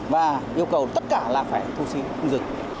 và yêu cầu tất cả là phải thu phí không dừng